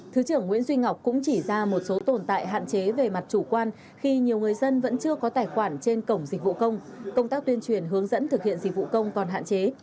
thứ trưởng nguyễn duy ngọc cũng chỉ ra một số tồn tại hạn chế về mặt chủ quan khi nhiều người dân vẫn chưa có tài khoản trên cổng dịch vụ công công tác tuyên truyền hướng dẫn thực hiện dịch vụ công còn hạn chế